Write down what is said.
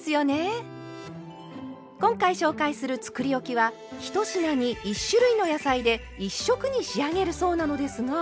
今回紹介するつくりおきは１品に１種類の野菜で１色に仕上げるそうなのですが。